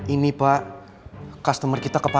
ini pak customer kita kepala